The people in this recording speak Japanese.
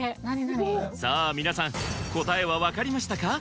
さぁ皆さん答えは分かりましたか？